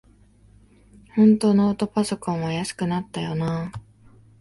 ほんとノートパソコンは安くなったよなあ